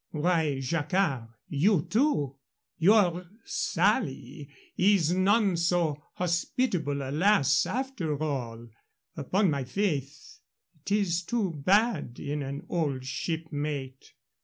"Why, Jacquard! You, too? Your Sally is none so hospitable a lass, after all. Upon my faith, 'tis too bad in an old shipmate.